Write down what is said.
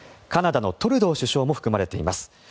カナダのトルドー首相も含まれています。